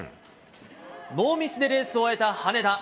ノーミスでレースを終えた羽根田。